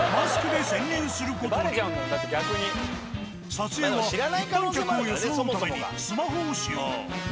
撮影は一般客を装うためにスマホを使用。